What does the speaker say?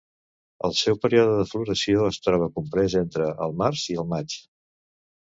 El seu període de floració es troba comprès entre el març i el maig.